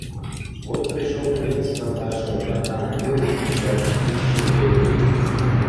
Вот пришёл принц на башню, а там куры кричат, пищи требуют.